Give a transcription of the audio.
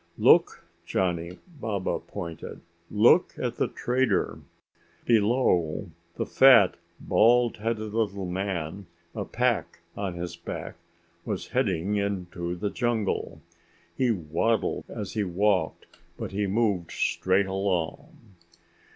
"Look, Johnny," Baba pointed. "Look at the trader!" Below, the fat bald headed little man, a pack on his back, was heading into the jungle. He waddled as he walked, but he moved straight along.